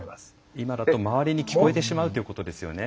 今だと、周りに聞こえてしまうということですよね。